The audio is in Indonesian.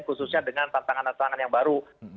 khususnya dengan tantangan tantangan yang baru